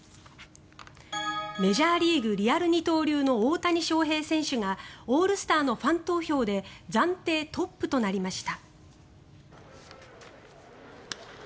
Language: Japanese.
メジャーリーグリアル二刀流の大谷翔平選手がオールスターのファン投票で暫定トップとなりました。